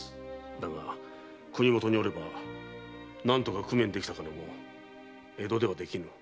だが国元におれば何とか工面できた金も江戸ではできぬ。